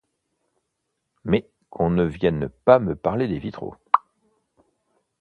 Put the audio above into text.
Mais qu’on ne vienne pas me parler des vitraux.